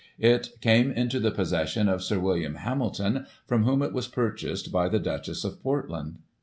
It came into the possession of Sir William Hamilton, from whom it was purchased by the Duchess of Portland.